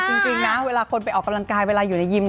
จริงนะเวลาคนไปออกกำลังกายเวลาอยู่ในยิม